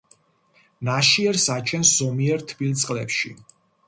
ნაშიერს აჩენს ზომიერ თბილ წყლებში.